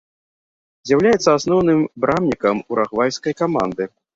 З'яўляецца асноўным брамнікам уругвайскай каманды.